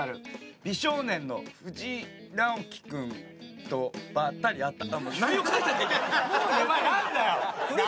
美少年の藤井直樹君とばったり会った。